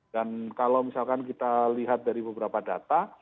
dan kalau misalkan kita lihat dari beberapa data